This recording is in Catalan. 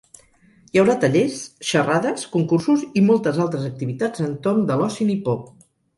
Hi haurà tallers, xerrades, concursos i moltes altres activitats entorn de l’oci nipó.